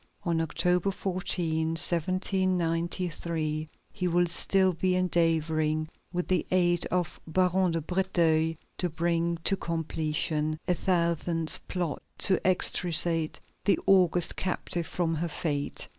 On October 14, 1793, he will still be endeavoring, with the aid of Baron de Breteuil, to bring to completion a thousandth plot to extricate the august captive from her fate.